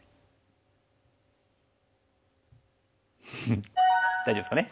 フフッ大丈夫ですかね？